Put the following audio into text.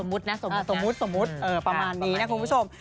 สมมุตินะสมมุติสมมุติประมาณนี้นะคุณผู้ชม